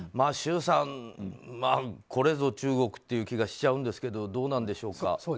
周さん、これぞ中国っていう気がしちゃうんですけどどうなんでしょうか？